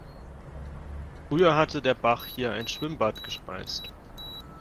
Früher hat der Bach hier ein Schwimmbad gespeist.